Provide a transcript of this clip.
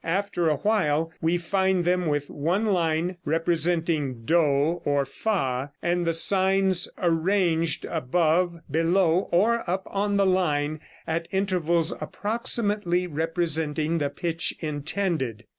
After a while we find them with one line representing do or fa, and the signs arranged above, below, or upon the line, at intervals approximately representing the pitch intended.